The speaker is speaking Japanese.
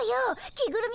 着ぐるみ